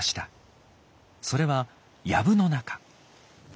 それはやぶの中。